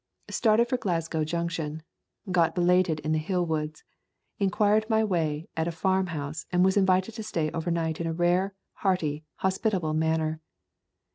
Started for Glasgow Junction. Got belated in the hill woods. Inquired my way at a farm house and was invited to stay overnight in a rare, hearty, hospitable manner.